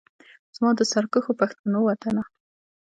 زما د سرکښو پښتنو وطنه